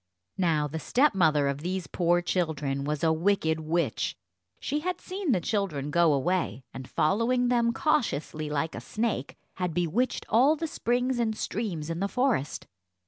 Now, the stepmother of these poor children was a wicked witch. She had seen the children go away, and, following them cautiously like a snake, had bewitched all the springs and streams in the forest.